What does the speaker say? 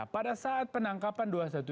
pada saat penangkapan dua ratus dua belas